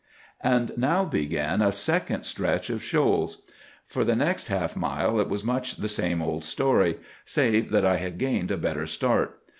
"And now began a second stretch of shoals. For the next half mile it was much the same old story, save that I had gained a better start.